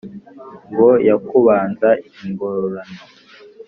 ngo yakubanza ingororano.